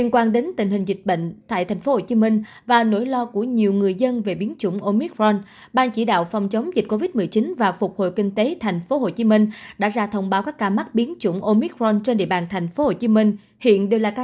các bạn hãy đăng ký kênh để ủng hộ kênh của chúng mình nhé